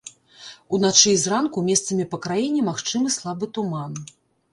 Уначы і зранку месцамі па краіне магчымы слабы туман.